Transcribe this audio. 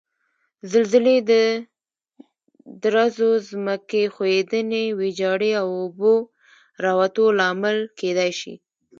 زلزلې د درزو، ځمکې ښویدنې، ویجاړي او اوبو راوتو لامل کېدای شي.